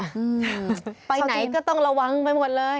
เช่าจีนก็ต้องระวังไปหมดเลย